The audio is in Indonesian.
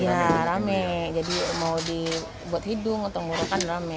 iya rame jadi mau dibuat hidung tenggorokan rame